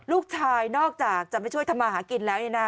ลูกชายนอกจากจะไม่ช่วยทำมาหากินแล้วเนี่ยนะ